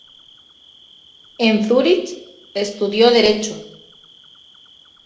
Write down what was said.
En Zúrich estudió derecho.